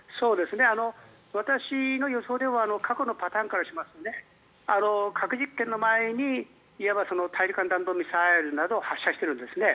私の予想では過去のパターンからしますと核実験の前にいわば大陸間弾道ミサイルなどを発射しているんですね。